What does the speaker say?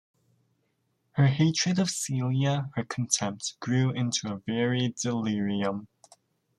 Her hatred of Celia, her contempt, grew into a very delirium.